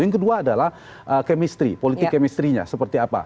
yang kedua adalah kemestri politik kemestrinya seperti apa